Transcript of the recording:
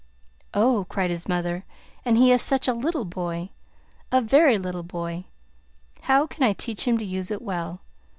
"Oh!" cried his mother. "And he is such a little boy a very little boy. How can I teach him to use it well?